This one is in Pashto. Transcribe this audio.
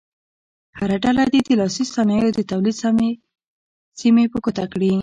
هره ډله دې د لاسي صنایعو د تولید سیمې په ګوته کړي.